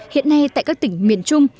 hiện nay tại các tỉnh miền trung